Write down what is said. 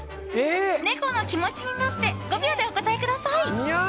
猫の気持ちになって５秒でお答えください。